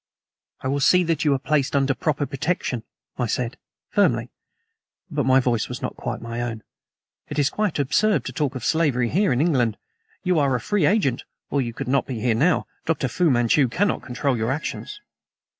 "I will see that you are placed under proper protection," I said firmly, but my voice was not quite my own. "It is quite absurd to talk of slavery here in England. You are a free agent, or you could not be here now. Dr. Fu Manchu cannot control your actions."